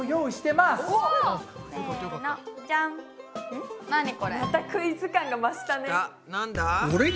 またクイズ感が増したね。